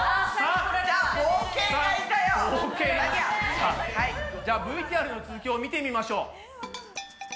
さあじゃあＶＴＲの続きを見てみましょう。